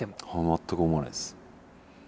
全く思わないです。